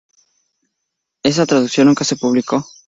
Esa traducción nunca se publicó.